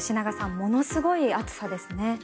ものすごい暑さですね。